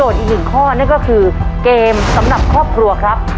เห็นที่โจทย์อีกหนึ่งข้อเป็นสำหรับครอบครัว